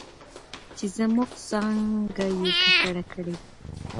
چې زموږ څانګه یې ککړه کړې